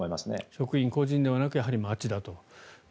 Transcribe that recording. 職員個人ではなくやはり町だと。